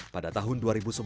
pada tahun dua ribu sebelas